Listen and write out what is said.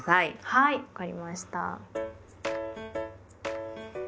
はい分かりました。